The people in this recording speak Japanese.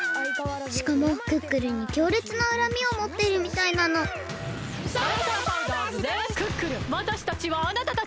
しかもクックルンにきょうれつなうらみをもっているみたいなのクックルンわたしたちはあなたたちをゆるしませんよ！